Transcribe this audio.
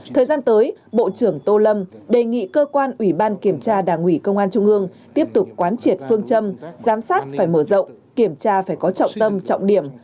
thời gian tới bộ trưởng tô lâm đề nghị cơ quan ủy ban kiểm tra đảng ủy công an trung ương tiếp tục quán triệt phương châm giám sát phải mở rộng kiểm tra phải có trọng tâm trọng điểm